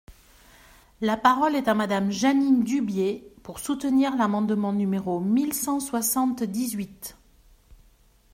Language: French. La parole est à Madame Jeanine Dubié, pour soutenir l’amendement numéro mille cent soixante-dix-huit.